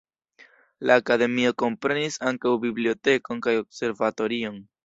La akademio komprenis ankaŭ bibliotekon kaj observatorion.